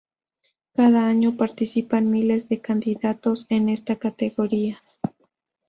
Cada año participan miles de candidatos en esta categoría.